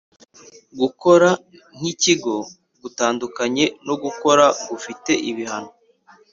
gukora nk ikigo gutandukanye no gukora gufite ibihano